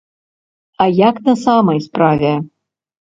А як на самай справе?